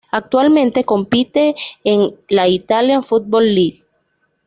Actualmente compite en la Italian Football League.